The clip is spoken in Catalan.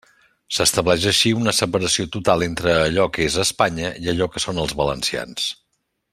S'estableix així una separació total entre allò que és Espanya i allò que són els valencians.